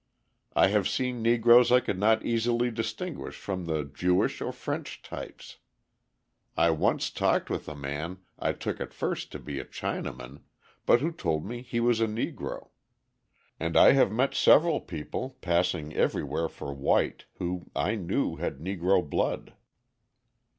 I have seen Negroes I could not easily distinguish from the Jewish or French types; I once talked with a man I took at first to be a Chinaman but who told me he was a Negro. And I have met several people, passing everywhere for white, who, I knew, had Negro blood.